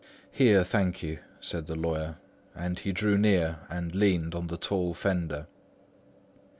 "Here, thank you," said the lawyer, and he drew near and leaned on the tall fender.